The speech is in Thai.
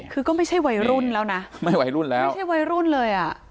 คือก็ไม่ใช่วัยรุ่นแล้วนะไม่วัยรุ่นแล้วไม่ใช่วัยรุ่นเลยอ่ะ